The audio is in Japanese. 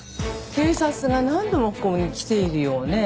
警察が何度もここに来ているようね。